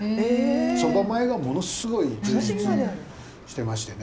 蕎麦前がものすごい充実してましてね。